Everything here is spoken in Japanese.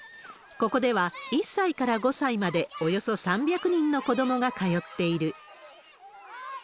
ここでは、１歳から５歳まで、およそ３００人の子どもが通っている。